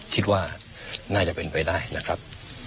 คิดว่าน่าจะเป็นไปได้นะครับ